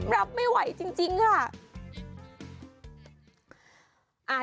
รับไม่ไหวจริงค่ะ